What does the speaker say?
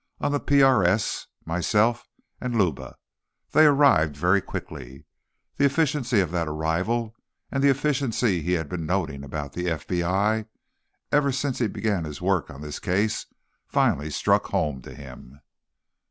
On the PRS, myself, and Luba. They arrived very quickly. The efficiency of that arrival, and the efficiency he'd been noting about the FBI ever since he began work on this case, finally struck home to him."